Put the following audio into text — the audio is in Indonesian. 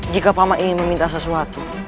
jika pak man ingin meminta sesuatu